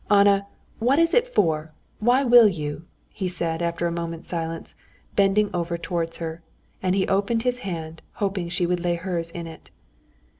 "Anna, what is it for, why will you?" he said after a moment's silence, bending over towards her, and he opened his hand, hoping she would lay hers in it.